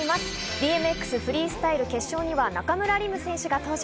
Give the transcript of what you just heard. ＢＭＸのフリースタイル決勝には中村輪夢選手が登場。